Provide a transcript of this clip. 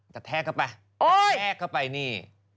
แทกเข้าไปกระแทกเข้าไปนี่